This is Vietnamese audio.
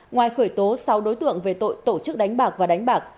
ngoài khởi tố sáu đối tượng về tội tổ chức đánh bạc và đánh bạc